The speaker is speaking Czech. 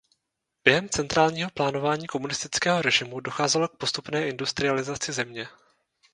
Během centrálního plánování komunistického režimu docházelo k postupné industrializaci země.